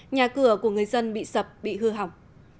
nhà cửa của người dân bị sập bị hư hỏng